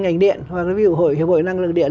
ngành điện hoặc là ví dụ hội năng lực điện